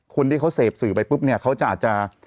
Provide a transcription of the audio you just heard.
คนที่เขาเสพสื่อไปปุ๊บเนี่ยเขาจะอาจจะ